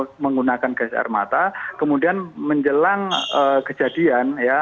kemudian menggunakan gas air mata kemudian menjelang kejadian ya